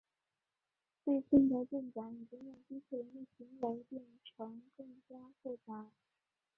最近的进展已经让机器人的行为变成更加复杂。